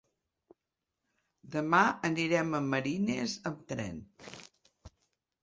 Demà anirem a Marines amb tren.